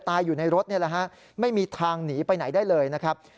อยู่ในรถนี่แหละฮะไม่มีทางหนีไปไหนได้เลยนะครับ